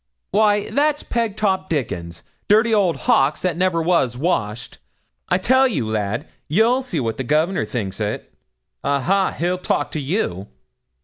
'Why that's Pegtop Dickon. Dirty old Hawkes that never was washed. I tell you, lad, ye'll see what the Governor thinks o't a ha! He'll talk to you.'